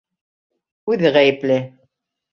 Үҙе ғәйепле.